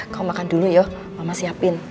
kau makan dulu ya mama siapin